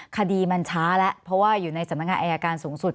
คดีมันช้าแล้วเพราะว่าอยู่ในสำนักงานอายการสูงสุด